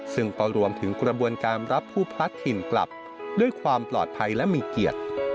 ซึ่งก็รวมถึงกระบวนการรับผู้พัดถิ่นกลับด้วยความปลอดภัยและมีเกียรติ